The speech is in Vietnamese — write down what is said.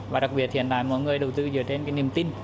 và đặc biệt hiện tại mọi người đầu tư dựa trên niềm tin